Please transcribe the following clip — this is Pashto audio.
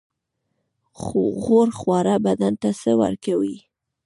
غوړ خواړه بدن ته څه ورکوي؟